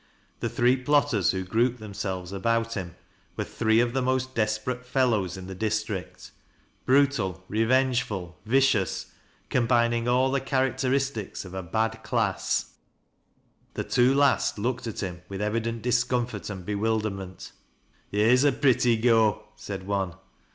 The three plotters who grouped themselves about him were three of the most desperate fell' ws in the district — brutal, rfjvengef ul vicicis, combininff all the characteristics cf a bad class 184 THAT LASS 0' LOWRISPa. The two labt looked at him with evident discomfort and bewilderment. " Here's a pretty go," said one.